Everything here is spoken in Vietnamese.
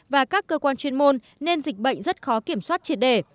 và các cơ quan chuyên môn nên dịch bệnh rất khó kiểm soát triệt đề